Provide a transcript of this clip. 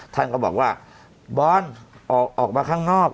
ท่านก็บอกว่าบอลออกมาข้างนอก